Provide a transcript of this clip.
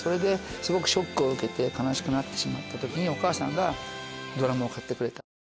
すごくショックを受けて悲しくなってしまった時にお母さんがドラムを買ってくれた。